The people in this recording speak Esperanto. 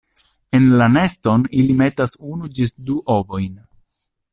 En la neston ili metas unu ĝis du ovojn.